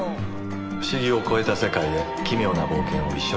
「不思議」を超えた世界へ「奇妙」な冒険を一緒にしましょう。